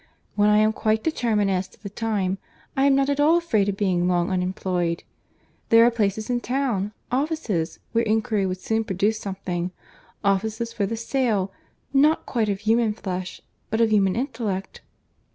When I am quite determined as to the time, I am not at all afraid of being long unemployed. There are places in town, offices, where inquiry would soon produce something—Offices for the sale—not quite of human flesh—but of human intellect."